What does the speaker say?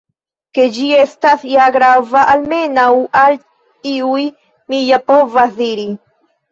Ke ĝi estas ja grava almenaŭ al iuj, mi ja povas diri.